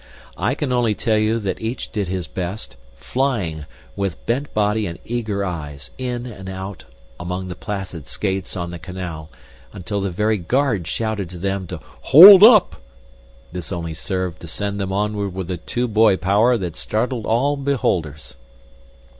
I can only tell you that each did his best, flying, with bent body and eager eyes, in and out among the placid skates on the canal, until the very guard shouted to them to "Hold up!" This only served to send them onward with a two boy power that startled all beholders.